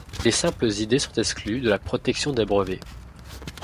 Les simples idées sont exclues de la protection des brevets.